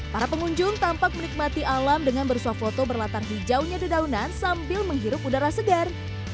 para pengunjung tampak menikmati alam dengan bersuah foto berlatar hijaunya dedaunan sambil menghirup udara segar